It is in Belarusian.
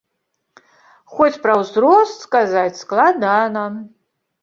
Хоць пра ўзрост сказаць складана.